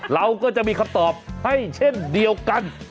เราก็จะมีคำตอบให้เช่นเดียวกัน